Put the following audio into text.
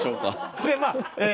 これまあ